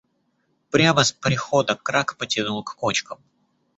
Прямо с прихода Крак потянул к кочкам.